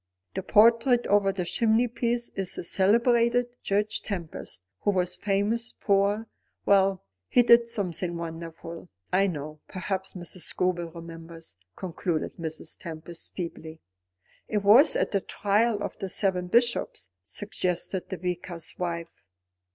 The portrait over the chimneypiece is the celebrated Judge Tempest, who was famous for Well, he did something wonderful, I know. Perhaps Mrs. Scobel remembers," concluded Mrs. Tempest, feebly. "It was at the trial of the seven bishops," suggested the Vicar's wife.